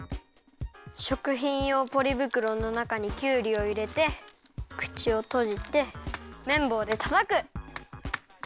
しょくひんようポリぶくろのなかにきゅうりをいれてくちをとじてめんぼうでたたく！